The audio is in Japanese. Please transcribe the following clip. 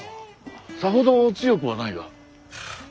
さほど強くはないが。